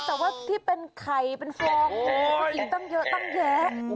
แต่ว่าที่เป็นไข่เป็นฟองอีกตั้งเยอะตั้งแยะ